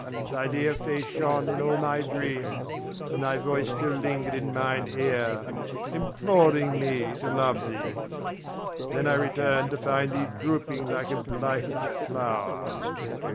Thy dear face shone in all my dreams, and thy voice still lingered in mine ear, imploring me to love thee. Then I returned to find thee drooping like a blighted flower.